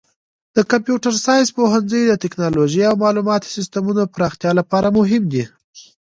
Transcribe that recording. د کمپیوټر ساینس پوهنځی د تکنالوژۍ او معلوماتي سیسټمونو پراختیا لپاره مهم دی.